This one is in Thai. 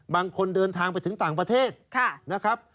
บางคนเดินทางไปถึงต่างประเทศนะครับ